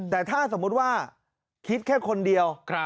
แต่ถ้าสมมุติว่าคิดแค่คนเดียว